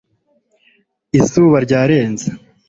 izuba ryarenze